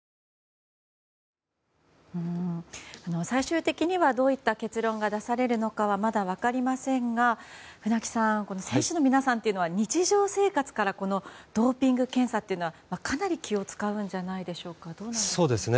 最終的にはどういった結論が出されるのかはまだ分かりませんが船木さん、選手の皆さんは日常生活からドーピング検査というのはかなり気を遣うんじゃないでしょうか。